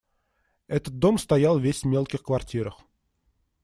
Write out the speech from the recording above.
Этот дом стоял весь в мелких квартирах.